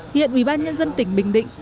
hiện ủy ban nhân dân tỉnh bình định